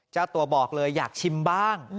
เจ้าตัวบอกเลยอยากชิมบ้าง